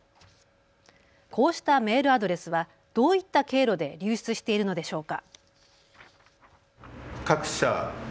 こうしたメールアドレスはどういった経路で流出しているのでしょうか。